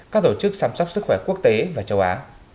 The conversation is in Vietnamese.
các tổ chức chăm sóc sức khỏe quốc tế và châu á